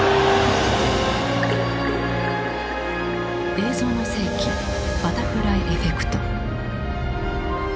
「映像の世紀バタフライエフェクト」。